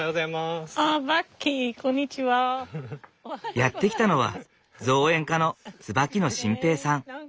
やって来たのは造園家の椿野晋平さん。